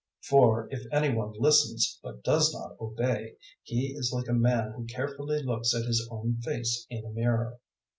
001:023 For if any one listens but does not obey, he is like a man who carefully looks at his own face in a mirror.